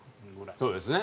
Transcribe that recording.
そうですね。